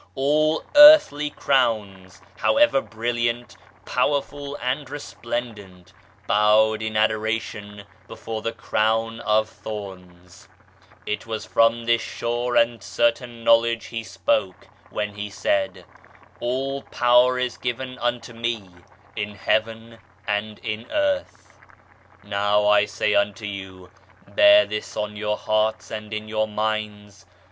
All earthly crowns, however brilliant, powerful and resplendent* bowed in adoration before the Crown of Thorns 1 It was from this sure and certain knowledge He spoke, when He said :" All Power is given unto Me, in Heaven and in Earth. 1 ' l Now I say unto you, bear this on your hearts and in your minds.